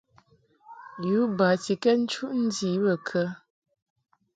Yu batikɛd nchuʼ ndi bə kə ?